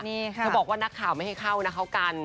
เธอบอกว่านักข่าวไม่ให้เข้านะเข้ากัน